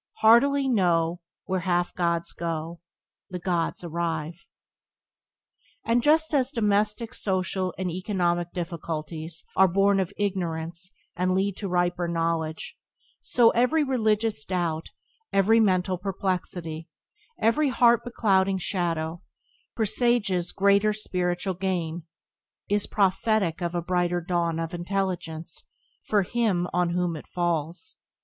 "Heartily know, When half gods go, The gods arrive." And just as domestic, social, and economic difficulties are born of ignorance and lead to riper knowledge, so every religious doubt, every mental perplexity, every heart beclouding shadow, presages greater spiritual gain, is prophetic of a brighter dawn of intelligence for him on whom it falls.